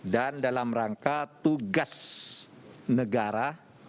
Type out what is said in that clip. dan dalam rangka tugas negara